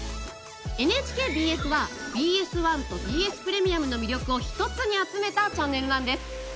ＮＨＫＢＳはＢＳ１とＢＳプレミアムの魅力を一つに集めたチャンネルなんです。